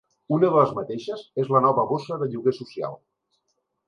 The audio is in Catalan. Una de les mateixes és la nova bossa de lloguer social.